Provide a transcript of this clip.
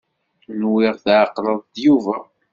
Nwiɣ tɛeqleḍ-d Yuba.